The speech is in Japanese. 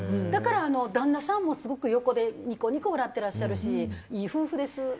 だから、旦那さんもすごく横でニコニコ笑っていらっしゃるしいい夫婦です。